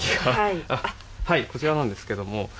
こちらなんですけれども。